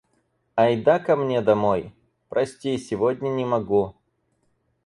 «Ай да ко мне домой?» — «Прости, сегодня не могу».